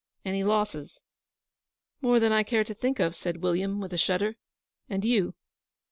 'Any losses?' 'More than I care to think of,' said William, with a shudder. 'And you?'